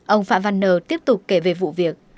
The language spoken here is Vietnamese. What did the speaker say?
ông phạm văn nờ tiếp tục kể về vụ việc